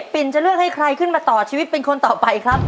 ปิ่นจะเลือกให้ใครขึ้นมาต่อชีวิตเป็นคนต่อไปครับ